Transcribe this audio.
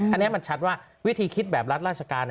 อันนี้มันชัดว่าวิธีคิดแบบรัฐราชการ